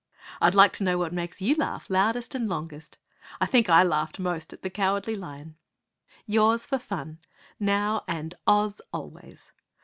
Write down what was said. I'd like to know what makes you laugh loudest and longest.... I think I laughed most at the Cowardly Lion! Yours for fun now, and OZ always!